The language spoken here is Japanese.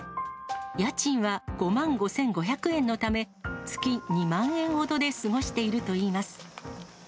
家賃は５万５５００円のため、月２万円ほどで過ごしているといいます。